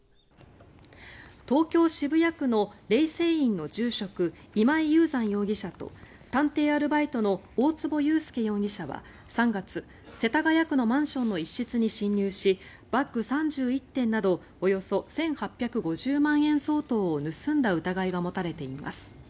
東京・渋谷区の霊泉院の住職今井雄山容疑者と探偵アルバイトの大坪裕介容疑者は３月世田谷区のマンションの一室に侵入しバッグ３１点などおよそ１８５０万円相当を盗んだ疑いが持たれています。